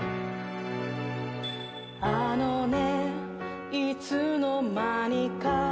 「あのねいつの間にか」